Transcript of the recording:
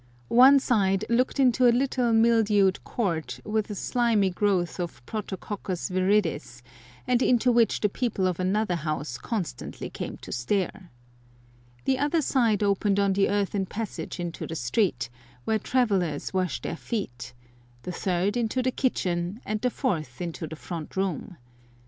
One side looked into a little mildewed court, with a slimy growth of Protococcus viridis, and into which the people of another house constantly came to stare. The other side opened on the earthen passage into the street, where travellers wash their feet, the third into the kitchen, and the fourth into the front room.